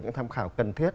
những tham khảo cần thiết